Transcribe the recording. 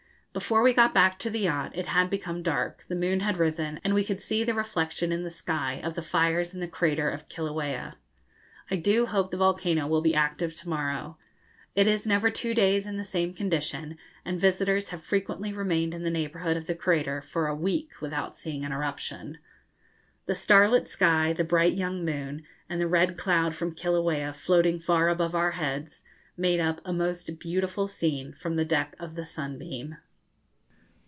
Before we got back to the yacht it had become dark, the moon had risen, and we could see the reflection in the sky of the fires in the crater of Kilauea. I do hope the volcano will be active to morrow. It is never two days in the same condition, and visitors have frequently remained in the neighbourhood of the crater for a week without seeing an eruption. The starlit sky, the bright young moon, and the red cloud from Kilauea, floating far above our heads, made up a most beautiful scene from the deck of the 'Sunbeam.'